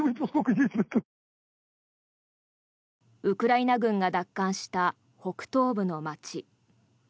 ウクライナ軍が奪還した北東部の街。